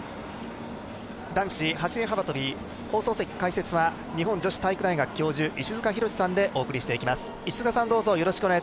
男子走り幅跳び放送席解説は日本女子体育大学教授石塚浩さんでお送りしていきます。